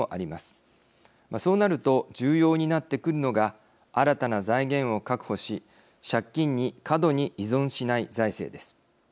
そうなると重要になってくるのが新たな財源を確保し借金に過度に依存しない財政です。